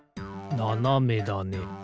ななめだね。